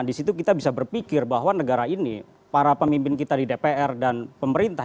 di situ kita bisa berpikir bahwa negara ini para pemimpin kita di dpr dan pemerintah